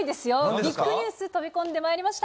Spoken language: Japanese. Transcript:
ビッグニュース飛び込んでまいりました。